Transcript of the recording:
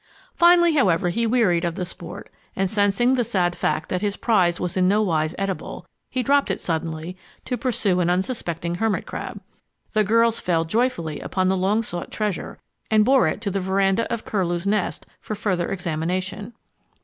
Finally, however, he wearied of the sport, and sensing the sad fact that his prize was in no wise edible, he dropped it suddenly to pursue an unsuspecting hermit crab. The girls fell joyfully upon the long sought treasure and bore it to the veranda of Curlew's Nest for further examination.